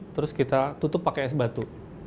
terus kita tutup pakai es batu